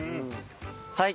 はい。